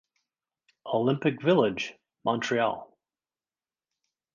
Olympic Village (Montreal)